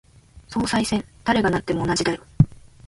総裁選、誰がなっても同じだよ。